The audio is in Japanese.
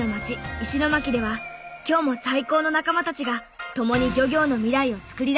石巻では今日も最高の仲間たちが共に漁業の未来を作り出しています。